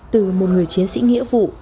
từ một người chiến sĩ nghĩa vụ